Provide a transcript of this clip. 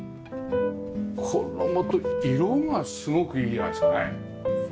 このまた色がすごくいいじゃないですかね。